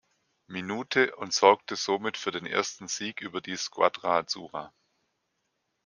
Minute und sorgte somit für den ersten Sieg über die "„Squadra Azzurra“".